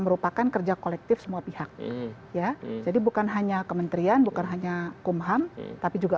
merupakan kerja kolektif semua pihak ya jadi bukan hanya kementerian bukan hanya kumham tapi juga